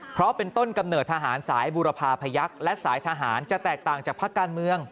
เพราะเป็นต้นกำเนิดทหารสายบุรพาพยักษ์และสายทหารจะแตกต่างจากภาคการเมือง